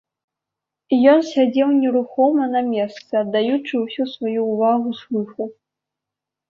Ён сядзеў нерухома на месцы, аддаючы ўсю сваю ўвагу слыху.